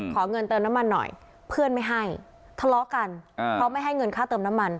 ขอเงินเติมน้ำมันหน่อยเพื่อนไม่ให้ทะเลาะกันเพราะไม่ให้เงินค่าเติมน้ำมัน